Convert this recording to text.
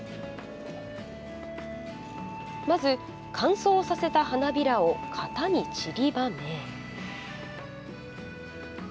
まず、乾燥させた花びらを型にちりばめ。